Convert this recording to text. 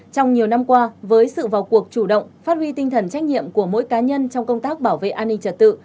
trong nhiều năm qua với sự vào cuộc chủ động phát huy tinh thần trách nhiệm của mỗi cá nhân trong công tác bảo vệ an ninh trật tự